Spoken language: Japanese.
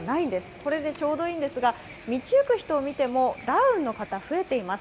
これでちょうどいいんですが、道行く人を見てもダウンの方増えています。